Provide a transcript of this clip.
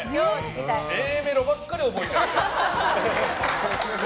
Ａメロばっかり覚えちゃって。